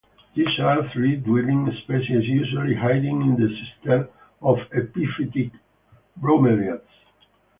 These are tree-dwelling species usually hiding in the cisterns of epiphytic bromeliads.